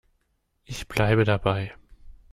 Ich bleibe dabei.